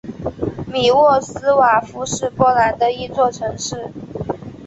米沃斯瓦夫是波兰的一座城市。